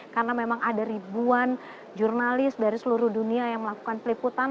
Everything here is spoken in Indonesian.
karena memang ada ribuan jurnalis dari seluruh dunia yang melakukan peliputan